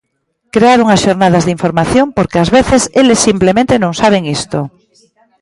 Crear unhas xornadas de información, porque ás veces eles simplemente non saben isto.